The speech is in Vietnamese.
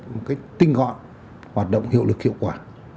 một cách tinh gọn hoạt động hiệu lực hiệu quả